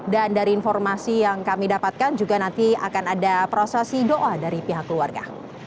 dan dari informasi yang kami dapatkan juga nanti akan ada prosesi doa dari pihak keluarga